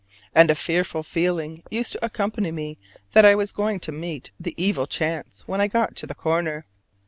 And a fearful feeling used to accompany me that I was going to meet the "evil chance" when I got to the corner.